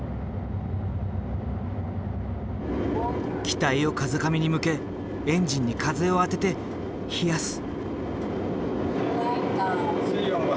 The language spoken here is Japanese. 機体を風上に向けエンジンに風を当てて冷やす。